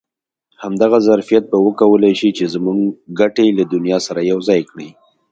همدغه ظرفیت به وکولای شي چې زموږ ګټې له دنیا سره یو ځای کړي.